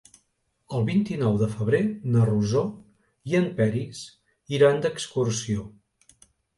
El vint-i-nou de febrer na Rosó i en Peris iran d'excursió.